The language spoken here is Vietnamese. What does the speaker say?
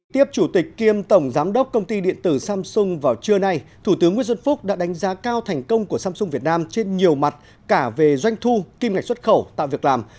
tiếp chủ tịch kiêm tổng giám đốc công ty điện tử samsung vào trưa nay thủ tướng nguyễn xuân phúc đã đánh giá cao thành công của samsung việt nam trên nhiều mặt cả về doanh thu kim ngạch xuất khẩu tạo việc làm